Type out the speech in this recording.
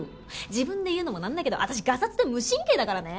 自分で言うのもなんだけど私ガサツで無神経だからね。